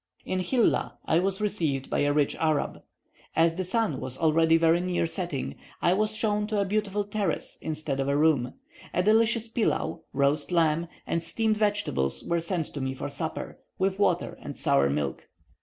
In Hilla I was received by a rich Arab. As the sun was already very near setting, I was shown to a beautiful terrace instead of a room. A delicious pilau, roast lamb, and steamed vegetables were sent to me for supper, with water and sour milk.